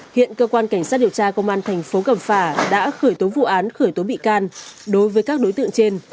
hiện cơ quan cảnh sát điều tra công an tp cẩm phà đã khởi tố vụ án khởi tố bị can đối với các đối tượng trên